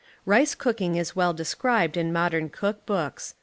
Rice cooking is well described in modern cook books.